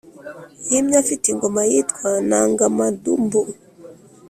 yimye afite ingoma yitwa nangamadumbu.